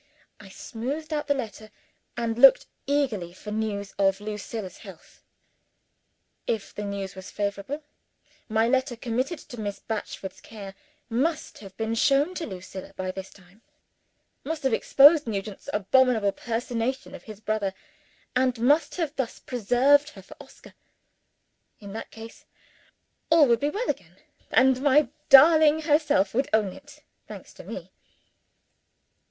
I smoothed out the letter, and looked eagerly for news of Lucilla's health. If the news was favorable, my letter committed to Miss Batchford's care must have been shown to Lucilla by this time; must have exposed Nugent's abominable personation of his brother; and must have thus preserved her for Oscar. In that case, all would be well again (and my darling herself would own it) thanks to Me!